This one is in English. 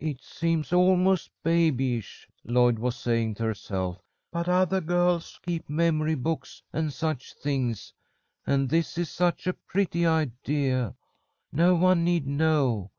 "It seems almost babyish," Lloyd was saying to herself. "But othah girls keep memory books and such things, and this is such a pretty idea. No one need know.